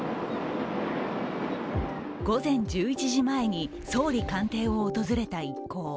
午前１１時前に総理官邸を訪れた一行。